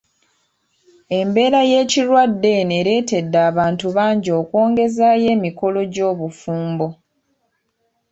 Embeera y'ekirwadde eno ereetedde abantu bangi okwongezaayo emikolo gy'obufumbo.